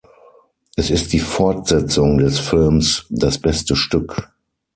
Es ist die Fortsetzung des Films "Das beste Stück".